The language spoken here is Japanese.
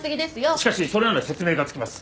しかしそれなら説明がつきます。